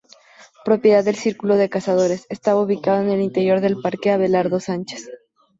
Propiedad del Círculo de Cazadores, estaba ubicado en el interior del Parque Abelardo Sánchez.